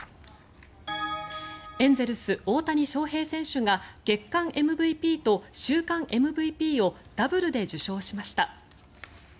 エンゼルス、大谷翔平選手が月間ＭＶＰと週間ＭＶＰをダブルで受賞しました。